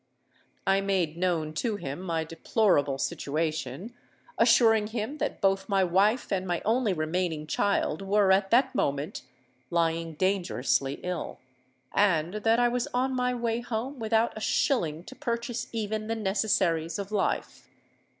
I made known to him my deplorable situation, assuring him that both my wife and my only remaining child were at that moment lying dangerously ill, and that I was on my way home without a shilling to purchase even the necessaries of life.